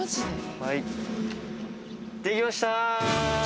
はいできました！